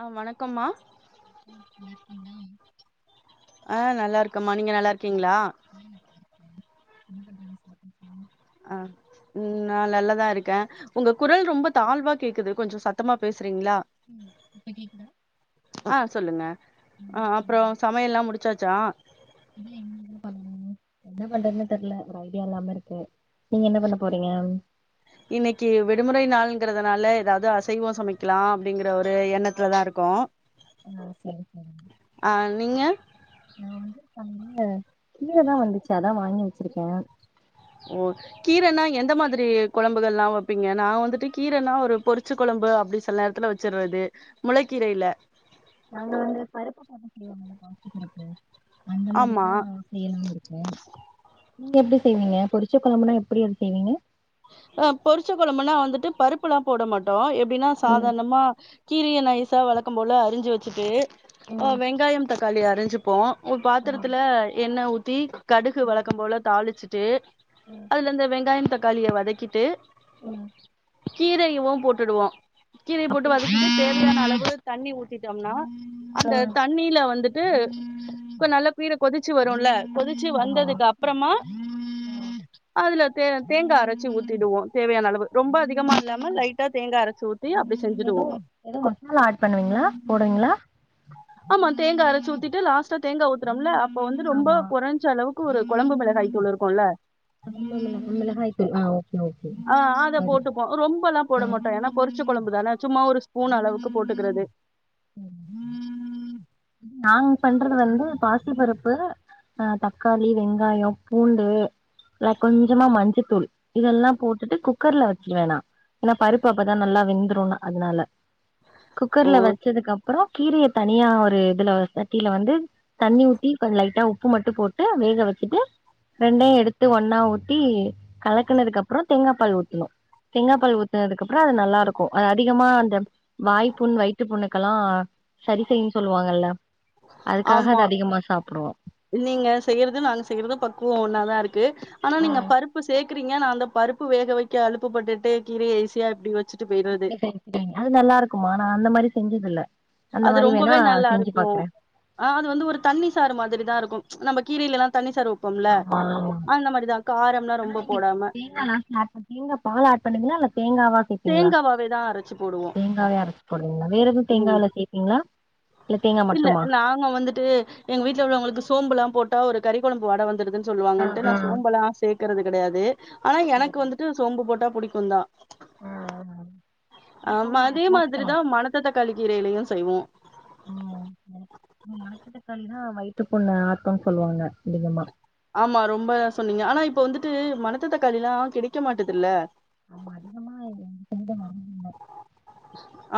ஆஹ் வணக்கம்மா நல்லாருக்கீங்களா ஆஹ் நல்ல இருக்குமா நீங்க நல்லா இரு உம் என்ன ச [inaudible] அஹ் உம் நான் நல்லதா இருக்கே உங்க குரல் ரொம்ப தாழ்வா கேக்குது கொஞ்ச சத்தமா பேச ரிங்களா ம். இப்ப கேக்குதா? ஆஹ் சொல்லுங்க ம் ஆஹ் சொல்லுங்க. அப்பறம் சமையல் எல்லாம் முடிச்சாச்சா இல்ல இனிமேதான் பண்ணணும். என்ன பண்றதுன்னு தெரியல ஒரு ஐடியா இல்லாம இருக்கு நீங்க என்ன பண்ண போறீங்க இன்னைக்கு விடுமுறை நாளுங் கிறதுனால ஏதாவது அசைவம் சமைக்கலாம் அப்படிங்கிற ஒரு எண்ணத்துலதான் இருக்கும் ஆஹ் சேரி சேரி நீங்க நா வந்து பண்ண ஹ கீரை தான் வந்துச்சு அதா வாங்கி வச்சிருக்கே ஓ கீரைன்னா எந்த மாதிரி குழம்புகள் லாம் வைப்பீங்க நா வந்துட்டு கீரைன்னா ஒரு பொறிச்சு குழம்பு அப்டி சில நேரத்துல வச்சருறது முளைக்கீரையில நாங்க வந்து பருப்பை பட்ட செய்வோங்க பாசி பருப்பு அந்த ஆமா மாதிரிதான் செய்யலாம்னு இருக்கே நீங்க எப்படி செய்வீங்க பொரிச்ச குழம்புனா எப்படி அத செய்வீங்க ஆ பொரிச்ச கொழம்புன்னா வந்துட்டு பருப்பல்லா போட மாட்டோ எப் டினா ம் சாதாரணமா கீரைய நைஸா வழக்கம் போல அரிஞ்சு வச்சிட்டு ஆ ம் வெங்காயம் தக் காளி அரிஞ்சுப்போ ஒரு ஆ பாத்தரத்துல எண்ண ஊத் தி கடுகு ம் வழக்கம் போல தாளிச்சு ட்டு ம் அதுல இந்த வெங்காயம் தக் காளிய வதக் கிட்டு ம் கீரையவு போட்டுடுவோ கீரைய போட்டு அப்டியே வதக்கிட்டு போட்ருவீங்களா? தேவையான அளவு தண்ணி ஊத் திட்டோம்னா ஆ அந்த தண்ணீல வந்து ட்டு இப்ப நல்லா கீர கொதிச்சு வருல்ல கொதிச்சு ஆமா. வந்ததுக்கு அப்றமா ஆ அதுல தே தேங்கா அரச் சு ஊத்திடுவோ தேவையான அளவு ரொம்ப அதிகமா இல்லாம லைட்டா தேங்கா அரச்சு ஊத் ஏதோ ஏதோ மசாலா ஆட் பண்ணுவீங்களா போடுவீங்களா ஆமா தேங்கா அரச்சு ஊத்திட்டு லாஸ்டா தேங்கா ஊத்துறோல்ல அ ப்போ வந்து ரொம்போ ஆமா கொறைஞ்ச அளவு க்கு ஒரு கொழம்பு மிளகாய்த்தூள் இருக்குல்ல கொழம்பு மிள மிளகாய்த்தூள் ஆ ஓ ஆ அத போட்டுப்போ அ ரொம்பல்லா போட மாட்டோ ஏன்னா கொதிச்ச கொழம்புதான சும்மா ஒரு ஸ்பூன் அளவுக்கு போட்டுக்குறது [inaudible] நாங்க பண் றது வந்து பாசி பருப்பு ஆ தக்காளி வெங்காயோ பூண்டு அ கொஞ்சமா மஞ்சத்தூள் இதெல்லா போட்டுட்டு குக்கர்ல வச்சுருவே நா ஏன்னா பருப்பு அப்பதா நல்லா வெந்துருன்னு அதனால ஓ குக்கர்ல வ அப்றோ கீரைய தனியா ஒரு இதுல சட்டியில வந்து தண்ணி ஊத்தி கொஞ்ச லைட்டா உப்பு மட்டு போட்டு வேக வச்சுட்டு ரெண்டையு எடுத்து ஒன்னா ஊத்தி கலக்குனதுக்கப்றோ தேங்காப் பால் ஊத்தணு தேங்காப் பால் ஊத்துனதுக்கப்றோ அது நல்லா இருக்கு அது அதிகமா அந்த வாய்ப்புண் வயி னுக்கலா சரி செய்யுன் சொல்லுவாங்கல்ல அதுக்காக ஆமா அது அதிகமா சாப்பிடுவோ நீங்க செய்யறது நாங்க செய்யறது பக்குவொ ஒன்னாதா இருக் க்கு ஆனா ஆ நீங்க பருப்பு சேக் க்கிரிங்க நா அந்த பருப்பு வேக வக்க அலுப்பு பட்டுட்டு கீரைய ஈசியா இப்டி வ எப்டி செஞ்சீங்க அது நல்லா இருக்குமா நா அந்த மாரி செஞ்சதில்ல அது ரொம்பவே நல்லாருக்கு ஆ அது வந்து ஒரு தண்ணி சாறு மாதிரி தா இருக்கு நம்ம கீரைலலா தண்ணீ சாறுவப் ஆமா ஆனா ரொம்ப நீங்க போடாம தேங்கா லாஸ்ட்ல ஆட் பண் தேங்கா பால் ஆட் பண்ணிங்ளா இல்ல தேங்காவா சே த்திங்ளா தேங்காவாவே தா அரைச்சு போடுவோ தேங்காவே அரச்சு போடுவிங்ளா வேற எது ம் தேங்கால சேப்பிங்ளா இல்ல நாங்க வந்துட்டு எங்க வீட்ல உள்ளவுங்களுக்கு சோம்புலா போட் டா ஒரு கறி கொழம்பு வாட வந்துர்துன் ஆ சொல்லுவாங்கன்ட்டு நா ஆ சோம்பலா சே க்கிறது கெடயாது ஆனா ஆ எனக்கு வந்துட்டு சோம்பு போட்டா புடிக்குந்தா ஆ ஆ ஆமா சோம்பு அதே போட்டுக்கலா மாதிரிதா மணத்த தக்காளி கீரைலயு செய்வோ ம் மணத்தக்காளி தா வயிற்றுப்புண்ண ஆத்துன் சொல்வாங்க அதிகமா ஆமா ரொம்ப சொன்னீங்க ஆனா இப்ப வந்துட்டு மணத்த தக்காளில்லா கிடைக்க மாட்டுதுல்ல ஆமா அதிகமா [unintelligible] வர்றதில்ல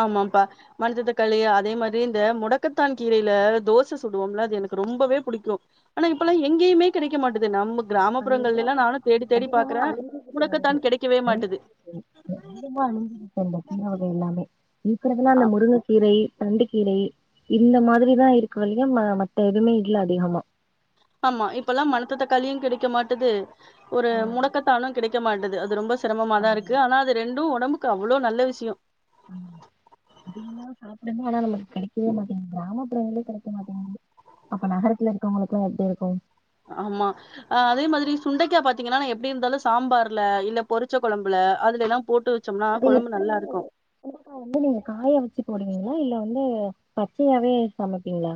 ஆமாப்பா மணத்த தக்காளி அதே மாரி இந்த முடக்கத்தான் கீரைல தோச சுடுவோம்ல அது எனக்கு ரொம்பவே புடிக்கு ஆனா இப்பல்லா எங்கயுமே கெடைக்க மாட்டுது நம்மக் அதல்லா‌ அதிகமா அழி்ஞ்சுக்கிட்டு வருது முடக்கத்தான் கெடைக்கவே மாட்டுது [unintelligible] அதிகமா அழிஞ்சுரு [unintelligible] அது எல்லாமே இருக்குறதுல அந்த ஆ முருங்கக்கீரை தண்டு கீரை இந்த மாதிரிதா இருக்கு வளிய ம மத்த எதுவுமே இல்ல அதிகமா ஆமா இப்பல்லா மணத்த தக்காளியு கிடைக்க மாட்டுது ஒரு ம், முடக்கத்தானு கிடைக்க மாட்டது அது ரொம்ப சிரமமா தா இருக்கு ஆமா ஆனா அது ரெண் டு ஒடம்புக்கு அவ்ளோ நல்ல விஷயொ ஆ அதிகமா சாப்டுங்க ஆனா நமக்கு கெடைக்கவே மாட்டீங்கிது கிராமப்புறங்கள்ளே கெடைக்க மாட்டீங்கிது அப்ப நகரத்துல இருக்கவுங்களுக்குலா எப்டி இருக்கு ஆமா அதே மாதிரி சுண்டேக்கா பாத்தீங்கன்னா‌ நா எப்டி இருந்தாலு சாம்பார்ல இல்ல பொறிச்ச கொழம்புல அதுலெல்லா போட்டு வச் அத எப்புடி சுண்டக்கா வந்து நீங்க காய வச்சு போடுவீங்ளா இல்ல வந்து பச்சையாவே சமப்பீங்ளா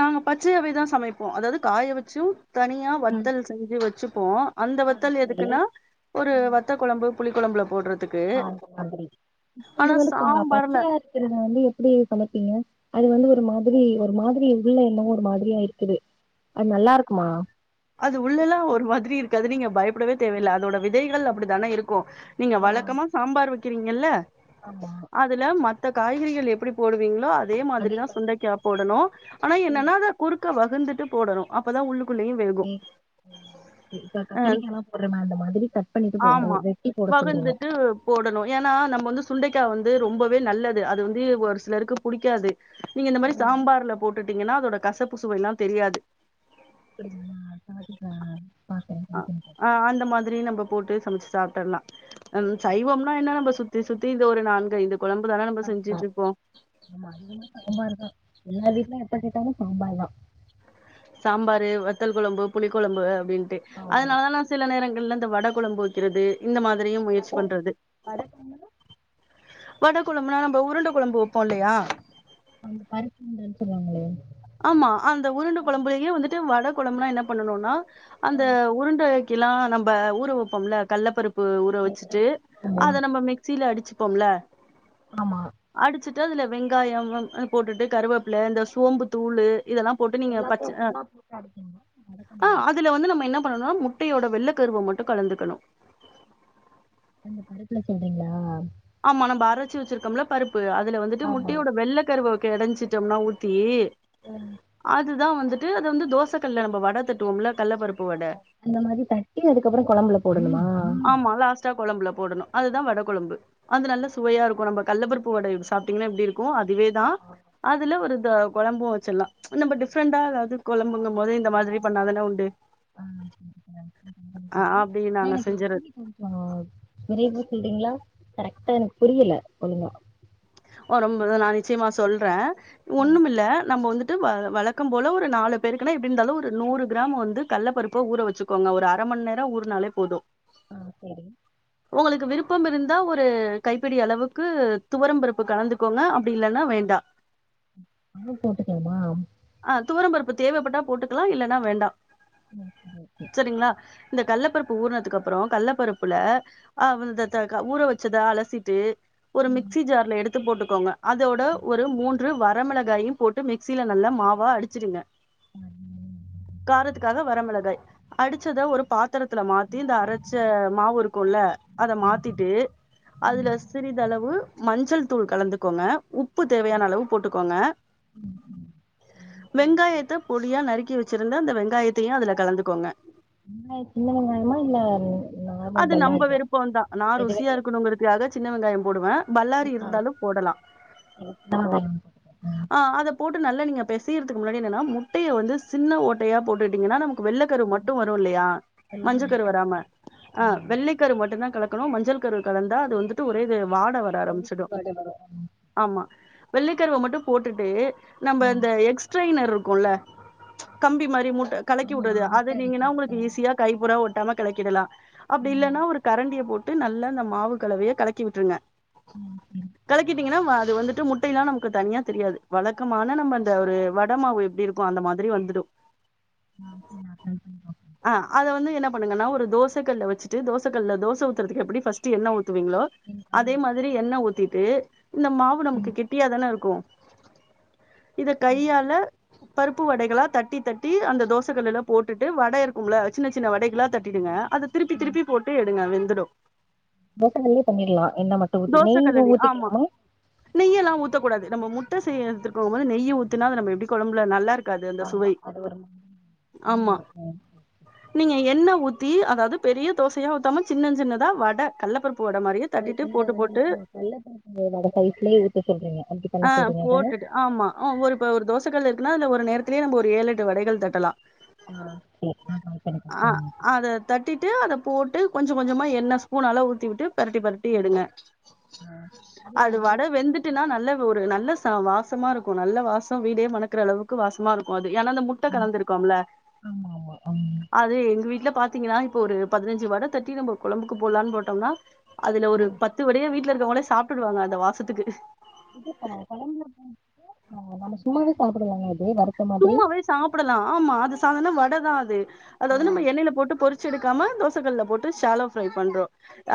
நாங்க பச்சையாவேதா சமைப்போ அதாவது காய வச்சு தனியா ம் வத்தல் செஞ்சு வச்சு ப்போ அந்த ஆ வத்தல் சரி எதுக்குன்னா ஒரு வத்த கொழம்பு புளி கொழம்புல போடுறது ஆ அந்த மாதிரி இது வந்து கா சாம்பார் பச்சையா இருக்கறத வந்து எப்டி சமப்பீங்க? அது வந்து ஒரு மாதிரி ஒரு மாதிரி உள்ள என்னவோ ஒரு மாதிரியா இருக்குது. அது நல்லா இருக்குமா? அது உள்ள எல்லா ஒரு மாதிரி இருக் கு அது நீங்க பயப்படவே தேவையில்ல அதோட விதைகள் அப்பிடிதானே இரு க்கு நீங்க ஆ வழக்கமா சாம்பார் வக் கிறீங்கல்ல ஆமா அதுல ம த்த காய்கறிகள் எப்டி போடுவீங்களோ அ தே அதே மாதிரிதா மாதிரி சுண்டைக்கா போடணு ஆனா ம் என்னன்னா அத குறுக்க வ குந்துட்டு போடணு அப்பதா உள்ளுக்குள்ளயு வே கே ம் இ இப்ப கத்திரிக்கா எல்லாம் போடுறமே அந்த மாதிரி கட் பண்ணிட்டு போ ஆமா வெட்டி போட சொல்றீங்க வகுந்துட்டு து ரொம்பவே நல்லது அது வந்து ஒரு சிலருக்கு புடிக்காது. நீங்க இந்த மாரி சாம்பார்ல போட்டுட் டீங்கன்னா அதோட கசப்பு சுவை எல்லா தெரியாது. அப்டியா சரிதா அ ஆ அந்த மாதிரி நம்ப போட்டு சமச் சாப்டோன்னா ம் சைவம்னா என்ன நம்ப சுத்தி சுத்தி இந்த ஒரு நான்கு ஐந்து கொழம்பு தான நம்ம அ ஆ செஞ்சுட்ருப்போ ஆமா அதிகமா சாம்பாருதா எல்லா வீட்லயு எப்ப கேட்டாலு சாம்பார்தா சாம்பாரு வத்தல் கொழம்பு புளிக்கொழம்பு அப்டின்னு ட்டு ஆமா அதனாலதா நா சில நேரங்கள்ல இந்த வட கொழம்பு வைக்கிறது இந்த மாதிரியு முயற்சி வடை பண்றது வடகம்னா வட கொழம்புனா நம்ப உருண்ட கொழம்பு வைப்போ இல்லயா அந்த பருப்பு உருண்டைனு சொல்வாங்களே ஆமா அந்த உருண்ட கொழம்புலயே வந்துட்டு வட கொழம்புனா என்ன பண்ணனுன்னா அந்த ம், உருண்ட க்கெல்லா நம்ப ஊற வப்போம்ல கள்ள பருப் பு ஊற சரி. ஆ, வச்சுட்டு ஆமா அத நம்ம மிக்சில அடிச் வச்சிப்போம்ல ஆமா அதுல வெங்காயம் ம் போட்டுட்டு கருவேப்பில இந்தச்சோம்பு தூளு இதெல்லா போட்டு நீங்க பச்ச எல்லாத்தையு அ ஒன்னா போட்டு அடிப்பீங்க வடகம் அ அதுல வந்து நம்ம என்ன பண்ணனு முட் முட்டையோட வெள்ள கருவ மட்டும் கலந்துக்கணும் அந்த பருப்புல சொல்றீங்களா ஆமா நம்ப அரச்சி வச்சிருக்கம்ல பருப் அதுல வந்துட்டு ஆமா முட்டையோட வெள்ள கருவ கடஞ்சிட்டம்னா ஊத்தி ம், அதுதான் வந்து து அது வந்து தோச கல்ல நம்ம வட தட்டுவோம்ல கல்லப்பருப்பு வட இந்த மாரி தட்டி அதுக்கப்றோ கொழம்புல போடணுமா இதா வட கொழம்பு அது நல்ல சுவையா இருக்கும் நம்ப கடல பருப்பு வடை சாப்பிட்டீங்கன்னா எப்டி இரு க்கும் அதுவே தா அதுல ஒரு இந்த கொழம்பும் வச்சிடலா நம்ம டிஃப்ரெண்டா ஏதாது கொழம்புங்கும் போது இந்த மாரி பண்ணாதானே உண்டு அ ஆ அப்டி ஆனா நாங்க எனக்கு செஞ்சறது [inaudible] கொஞ்சோ விரைவ சொல்றீங்களா கரெக்டா எனக்கு புரியல ஒலுங்கா வரும் போது நா நிச்சயமா சொல்றன் ஆ ஒண்ணும் இல்ல நம்ம வந்து வ வழக்கம் போல ஒரு நாலு பெருக்குனா இப்ப இந்த அளவு ஒரு நூறு கிராம் வந்து கடல பருப்பு ஊற வச்சுக்கோங்க ஒரு அரமணி நேரம் ஊருனாலே போதும் ஆ செரி உங்களுக்கு விருப்பம் இருந்தா ஒரு கைப்பிடி அளவுக்கு துவரம்பருப்பு கலந்துக்கோங்க அப்டி இல்லைன்னா வேண்டாம் அமு போட்டுக்கனுமா அ துவர பருப்பு தேவைப்பட்டா போட்டுக்கலாம் இல்லைன்னா வேண்டாம் ஓகே ஓகே இந்த கடலபருப்பு ஊறுனதுக்க அப்றோ கடல பருப்புல அவ் த த க ஊற வச்சதா அலசிட்டு ஒரு ம் மிக்சி ஜார்ல எடு த்து போட்டுக்கோங்க அதோட சரி. ஒரு மூன் று வரமிளகாயும் போட்டு மிக்சியில நல்ல மாவா அடிச்சிடுங்க ஆ, ம், காரத்துக்காக வரமிளகாய் அடிச்சத ஒரு பாத் திரத்துல மாத்தி இந்த அரச்ச மாவுருக் குல்ல அத ஆமா மாத்திட்டு அதுல ம் சிறிதளவு மஞ்சள் தூள் கலந்துக்கோங்க உ ப்பு தேவையான அளவு போட்டுக்கோங்க ம் ம் வெங்காயத்த பொடியா நறுக்கி வச்சுருந்த அந்த வெங்காயத்தையு அதுல கலந்துக்கோங்க வெங்காய சின்ன வெங்காயமா இல்ல நார்மல் அது நம்ம பல்லாரியா விருப்பம்தான் நா எதுவெ ருசியா இருக்கணுங்கிறதுக்காக சின்ன வெங்காயம் போடுவே பல்லாரி இருந்தாலும் போடலா எனக்கு சின்ன வெங்காயம் போட்டுக்கோங்க ம் ஆ அத போட் டு நல்ல நீங்கப் பெசியறதுக்கு முன்னாடி என்னனா முட்டைய வந்து சின்ன ஓட்டையா போட்டுட்டீங்கன்னா நமக் கு வெள்ளக்கரு மட்டு வருல்லயா சின்ன வெங்காயம், வெள்ளை மஞ்ச கரு வெங்காயம். வராம ஆ ஆமா. வெள்ளை கரு மட்டுந்தா கலக் கனு மஞ்சள் கரு கலந்தா அது வந்துட்டு ஒரேது வாட வர ஆரம்மிச்சிடு கவுச்சி வாட வரு ஆமா வெள்ளைக்கருவ மட்டு போட்டுட்டு நம்பந் ம் த எக்ஸ்ட்ரெயினர்ருக்குல்ல கம்பி மாரி மு ஆமா கலக்கிவுட்றது முட்ட அதுனீங்கனா அடிக்கிறது உங்களுக்கு ஆ ஈஸியா கைபூரா ஒட் டாம கலக்கிடலா அப்டி ம் இல்லன்னா ஒரு கரண்டிய போட் டு நல்லா இந்த மாவு கலவைய கலக்கி விட்ருங்க ம் சரி கலக்கிட்டீங்கன்னா வ து வந்துட்டு முட்டைல்லா நமக்கு தனியா தெரியாது வழக்கமான நம்ம ந்த ஒரு வட மாவு எப்டி இருக்கு அந்த மாதிரி வந்துடு நா அவசியொ நா ட்ரை பண்ணி பாக்குறே ஆ அத வந்து என்ன பண்ணுங்கன்னா ஒரு தோசகல்ல வச்சிட்டு தோசக்கல்ல தோசஊத்துறதுக்கு எப்புடி ஃபஸ்ட்டு எண்ண ஊ த்துவிங்ளோ பாக்குறே ஆ அதே மாதிரி எண்ண ஊத்தி ட்டு இந்த மாவு நமக்கு ம் கெட்டியா தான இருக்கு இத சரி கையால பருப்பு வடைகளா தட்டி தட்டி அந்த தோசகல்லுல போட்டுட்டு வட இருக்கும்ல சின்ன சின்ன வடைகளாக தட்டிடுங்க அத திருப்பி திருப்பி போட்டு எடுங்க வெந் துடு தோசக்கல்லுலே பண்ணிட்லா எண்ண மட்டு ஊத்தி தோசை நெய் இதுவு கல்லுலயே ஆமா ஊத்திக்கிலாமா ட்ட செய்யா [unintelligible] வந்து நெய்ய ஊத்துனா நம்ம எப்டி கொழம்புல நல்லாருக் காது அந்த சுவை ஆமா அது ஒரு மாதிரி ஆமா வரு ம் நீங்க எண்ணெ ஊத்தி அதாது பெரிய தோசையா ஊத்தாம சின்ன சின்னதா வட கல்லப்பருப் [unintelligible] அந்த அந் அ கல்லப்பருப்பு வட சைஸ்லயே ஊத்த சொல்றீங்க அப்டி ஆ பண்ண சொல்றீங்க அதான போட்டுட்டு ஆமா ஒரு இப்ப ஒரு தோசக்கல்லு இருக்குன்னா அதுல ஒரு நேரத்திலயே நம்ம ஒரு ஏழெட்டு வடைகள் தட்டலா ஆ ஆ அத தட்டிட்டு அத [unintelligible] போட்டு கொஞ்சொ கொஞ்சொமா எண்ண ஸ்பூன் அளவு ஊத்திவிட்டு பெரட்டி பெரட்டி ம் எடுங்க ஆ அது வட வெந்துட்டுனா நல்ல ஒரு நல்ல சா வா சமா இருக்கு நல்ல வாச வீடே மணக்குற அளவுக்கு வாசமா இருக்கு அ து ஏன்னா அந்த முட்ட ஆ கலந்துருக்கோம்ல ஆமா ஆமா அது எங்க வீட்ல பாத்தீங்கனா இப்ப ஒரு பதினஞ்சு வட தட்டி நம்ப கொழம்புக்கு போல்லான் போட்டொம்னா அதுல ஒரு ம் பத்து வடய வீட்ல இருக் கோங்களே சாப்ட்டுடுவாங்க அந்த வாசத்துக்கு அ நம்ம சும்மாவே சாப்புடுலாங்க அ சும்மாவே சாப்புடலா ஆமா அது சாதான வடதா அது ஆ அதாவ்து நம்ம எண்ணய்ல போட்டு பொறி ச்செடுக்காம தோசக்கல்ல போட்டு ஷாலோ ஃப்ரை பண்றோ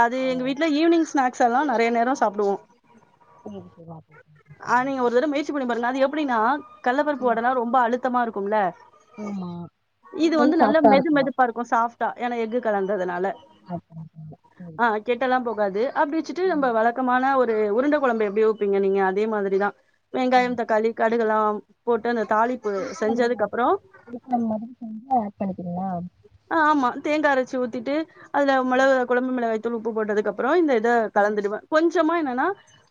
அது ஆ எங்க வீட்ல ஈவ்னிங் ஸ்னாக்ஸ் எல்லா நெறைய நேரொ சாப்டுவோ [inaudible] புடின்னா கல்ல ஓகே பருப்பு ம் ஒ ரொம்ப அழுத்தமா இருக்கும்ல ஆமா இது வந்து நல்ல மெது மெதுப்பா இருக்கு சாஃப்டா ஏனா எக்கு கலந்ததுனால ஆட் பண்ணிக்கோங்க ம் ஆ கெட்டல்லா போ காது அப்டிவச்சுட்டு நம்ப ம் வழக்கமான ஒ ரு உருண்ட கொழம்பு எப்டி வப்பீங்க நீங்க அதே மாதிரிதா ஆ வெங்காயம் தக்காளி கடுகுல்லாம் போட் டன புளிக்கொழம்பு மாரி செஞ்சு ஆட் பண்ணிட்டிங்ளா ஆ ஆமா தேங்கா அரச்சு ஊத்திட்டு அதுல மொளகு கொழம்பு மிளகாய் தூள் உப்பு போட்டதுக்குப்பறோ இந்த இத ஆ கலந்துடுவே கொஞ்சமா என்ன ன்னா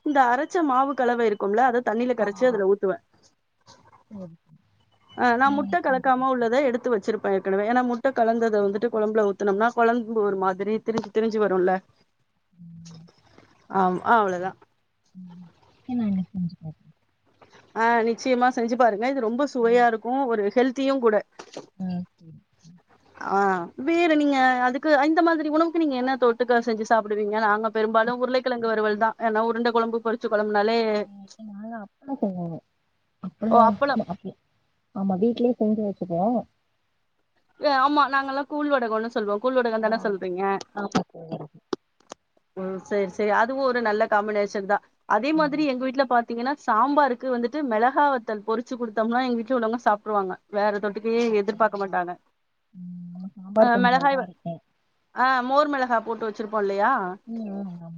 இந்த அரச்ச மாவு கலவ இருக்கும்ல அத தண்ணியில கரைச்சு ஆமா அதுல ஊத்துவே ம் ஆ நா முட்டை இன்னைக்கு செஞ்சுக்கிறேங்க கலக்காம உள்ளத எடுத்து வச்சிரு ப்ப ஏற்கனவே ஏன்னா முட்டை கலந்தத வந்துட்டு கொழம்புல ஊத்துனோம்னா கொழம்பு ஒரு மாதிரி திரிஞ்சு திரிஞ்சு வருல்ல ஆ சரி அவ்ளவுதா ம் சரி நா இன்னைக்கு செஞ்சு பாக்கறே ஆ நிச்சயமா செஞ்சு பாருங் க இது ரொம்ப பாக்குறே சுவையா இருக்கு ஒரு ஹெல்த் தியுங் கூட ஆ சேரி ம் ஆ வேற நீங்க அதுக்கு இந்த மாதிரி உணவுக்கு நீங்க என்ன தொட்டுக்க செஞ்சு சாப்புடுவீங்க நாங்க பெரும்பாலு உருளைக்கிழங்கு வறுவல்தா ஏன்னா உருண்ட கொழம்பு பொரிச்ச கொழம்புனாலே இன்னைக்கு நாங்க அப்பளோ செய்வோங்க ஓ அப்பளோ அப்பளம் அப்பளோ ஆமா வீட்லயே செஞ்சு வச்சுக்குவோ ஏ ஆமா நாங்கல்லா கூழ் வடகோன்னு சொல்வோ கூழ் ஆ வடகந்தானே சொல்றீங்க ஆமா தோழி ம் சேரி சேரி அதுவு ஒரு நல்ல காம்பினேஷன்தா அதே ஆமா மாதிரி எங்க வீட்ல பாத் தீங்கன்னா சாம்பாருக்கு வந்துட்டு மெளகா வத்தல் பொரிச்சு குடுத்தோம்னா எங்க வீட்ல உள்ளவங்க சாப்ட்ருவாங்க. வேற தொட்டுக்கயே எதிர்பாக்க வீட்லயா மாட்டாங்க ம் நம்ம ஆ சாம்பார் கொஞ்சோ மெளகாய் இதா இருக்கே ஆ மோர் மெளகா போட்டு வெச்சிருப்போ இல்லயா ம் ம் ஆமா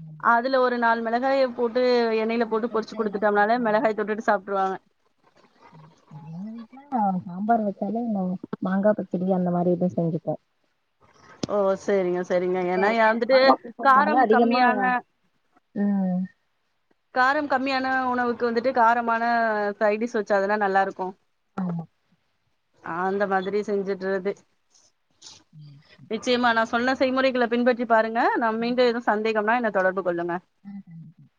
காய போட் டு எண்ணெயில போட்டு பொரிச்சு குடுத்துட்டோம்னாலே மெளகாய தொட்டுட்டு சாப்ட்ருவாங்க. ம் எ எங்க வீட்ல சாம்பார் வச்சாலே நா மாங்கா பச்சடி அந்த மாரிதா செஞ்சுப்பே ஓ சேரிங்க சேரிங்க ஏன்னா ஏன் இப்ப வந்துட்டு மாங்கா சீசன்னால காரம் அதிகமா கம்மியான ம் காரம் கம்மியான உணவுக்கு வந்துட்டு காரமான சைட் டிஷ் வச்சாதான நல்லா இருக்கு ஆ அந்த மாதிரி செஞ்சுட்றது. நிச்சயமா நா சொன்ன செய்முறைகள பின்பற்றி பாருங்க நா மீண்டு எதும் சந்தேகம்னா என்ன தொடர்பு கொள்ளுங்க உஹம்ஹ